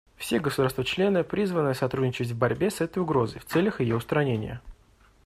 Все государства-члены призваны сотрудничать в борьбе с этой угрозой в целях ее устранения.